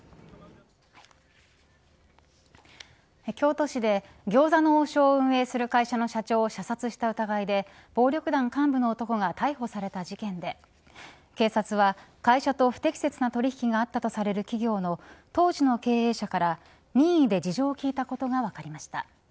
京都市で餃子の王将を運営する会社の社長を射殺した疑いで暴力団幹部の男が逮捕された事件で警察は会社と不適切な取引があったとされる企業の当時の経営者から任意で事情を聴いたことが分かりました。